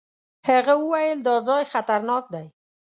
هغه وويل دا ځای خطرناک دی.